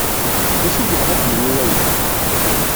D acu i yebɣa ad d-yini waya?